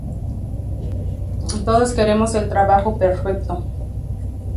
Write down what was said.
Todos queremos el trabajo perfecto.